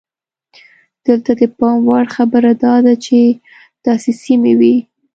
دلته د پام وړ خبره دا ده چې داسې سیمې وې.